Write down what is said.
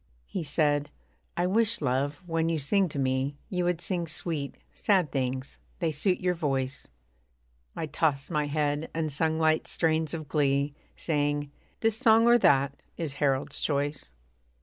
He said, 'I wish, love, when you sing to me, You would sing sweet, sad things they suit your voice.' I tossed my head, and sung light strains of glee Saying, 'This song, or that, is Harold's choice.'